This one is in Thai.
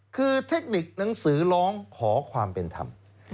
คือเทคนิคหนังสือร้องขอความเป็นธรรม